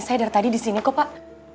saya dari tadi di sini kok pak